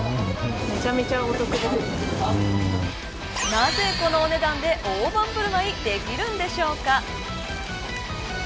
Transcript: なぜこのお値段で大盤振る舞いできるんでしょうか。